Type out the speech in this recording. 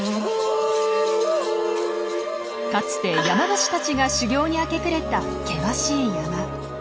かつて山伏たちが修行に明け暮れた険しい山。